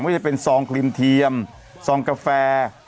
จะเป็นซองครีมเทียมซองกาแฟ